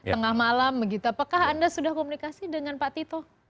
tengah malam begitu apakah anda sudah komunikasi dengan pak tito